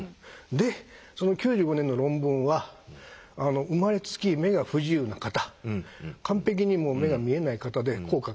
でその９５年の論文は生まれつき目が不自由な方完璧に目が見えない方で効果があったと。